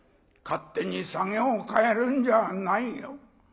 勝手にサゲを変えるんじゃないよ。